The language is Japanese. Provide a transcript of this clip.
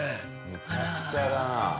むちゃくちゃだなあ。